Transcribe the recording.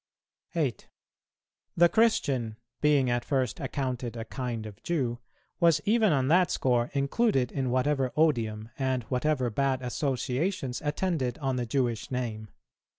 [217:1] 8. The Christian, being at first accounted a kind of Jew, was even on that score included in whatever odium, and whatever bad associations, attended on the Jewish name.